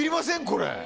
これ。